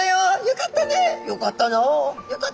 よかったね。